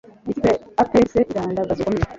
ikipe ya APR FC irandagazwa bikomeye